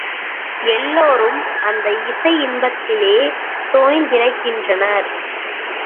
எல்லோரும் அந்த இசையின்பத்திலே தோய்ந்துதிளைக்கின்றனர்.